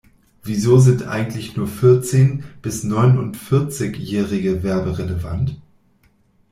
Wieso sind eigentlich nur Vierzehn- bis Neunundvierzigjährige werberelevant?